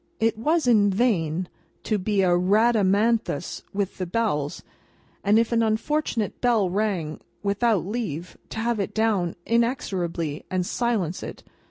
It was in vain to be a Rhadamanthus with the bells, and if an unfortunate bell rang without leave, to have it down inexorably and silence it.